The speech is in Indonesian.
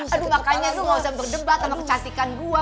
aduh makanya lu gak usah berdebat sama kecantikan gue